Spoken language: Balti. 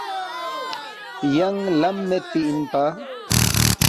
ینگ لم میدپی اِنپا